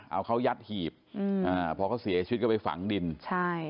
เอาเขายัดหีบอืมอ่าพอเขาเสียชีวิตก็ไปฝังดินใช่